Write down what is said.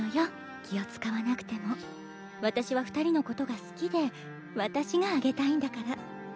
私は２人のことが好きで私があげたいんだから。